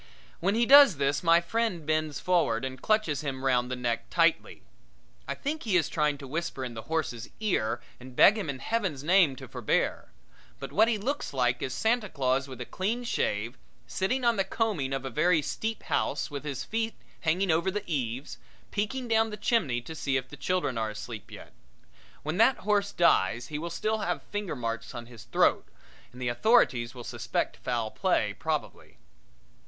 When he does this my friend bends forward and clutches him round the neck tightly. I think he is trying to whisper in the horse's ear and beg him in Heaven's name to forbear; but what he looks like is Santa Claus with a clean shave, sitting on the combing of a very steep house with his feet hanging over the eaves, peeking down the chimney to see if the children are asleep yet. When that horse dies he will still have finger marks on his throat and the authorities will suspect foul play probably.